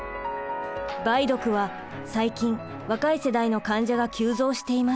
梅毒は最近若い世代の患者が急増しています。